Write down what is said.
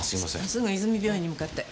すぐいずみ病院に向かって。